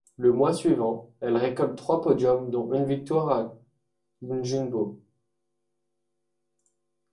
Le mois suivant, elle récolte trois podiums dont une victoire à Ljubno.